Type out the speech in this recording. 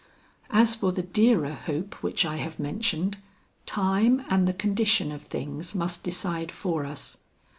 "As for the dearer hope which I have mentioned, time and the condition of things must decide for us.